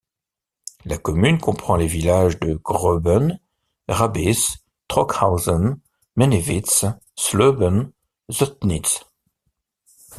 La commune comprend les villages de Gröben, Rabis, Trockhausen, Mennewitz, Schlöben, Zöttnitz.